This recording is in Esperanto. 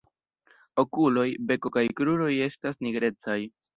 Okuloj, beko kaj kruroj estas nigrecaj.